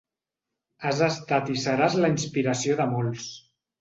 Has estat i seràs la inspiració de molts.